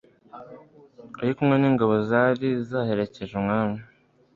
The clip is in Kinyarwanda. ari kumwe n'ingabo zari zaherekeje umwami